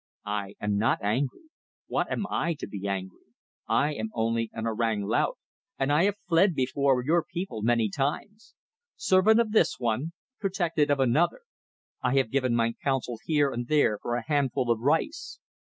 "I am not angry. What am I to be angry? I am only an Orang Laut, and I have fled before your people many times. Servant of this one protected of another; I have given my counsel here and there for a handful of rice.